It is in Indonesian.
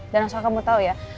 dan asalkan kamu tau ya